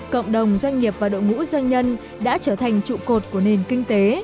cộng đồng doanh nghiệp và đội ngũ doanh nhân đã trở thành trụ cột của nền kinh tế